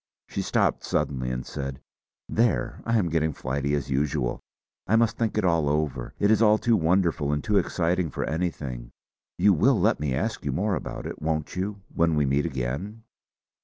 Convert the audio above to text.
She stopped suddenly and said: "There! I am getting flighty as usual. I must think it all over. It is all too wonderful and too exciting for anything. You will let me ask you more about it, won't you, when we meet again?"